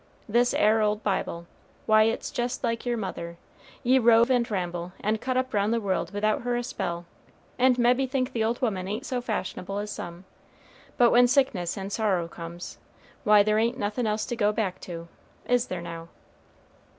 This 'ere old Bible why it's jest like yer mother, ye rove and ramble, and cut up round the world without her a spell, and mebbe think the old woman ain't so fashionable as some; but when sickness and sorrow comes, why, there ain't nothin' else to go back to. Is there, now?"